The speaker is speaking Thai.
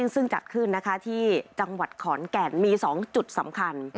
ซึ่งจัดขึ้นนะคะที่จังหวัดขอนแก่นมี๒จุดสำคัญ